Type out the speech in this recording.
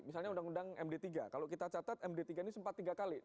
misalnya undang undang md tiga kalau kita catat md tiga ini sempat tiga kali